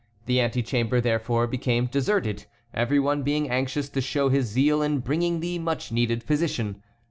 The antechamber, therefore, became deserted, every one being anxious to show his zeal in bringing the much needed physician.